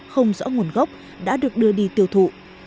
không rõ nguồn gốc đã được đưa đi tiêu thụ